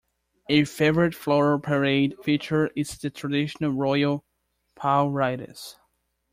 A favorite floral parade feature is the traditional royal "pau riders".